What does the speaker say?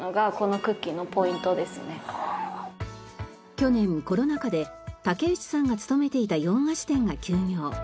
去年コロナ禍で竹内さんが勤めていた洋菓子店が休業。